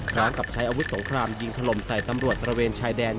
พร้อมกับใช้อาวุธสงครามยิงถล่มใส่ตำรวจตระเวนชายแดน